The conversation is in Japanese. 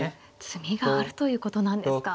詰みがあるということなんですか。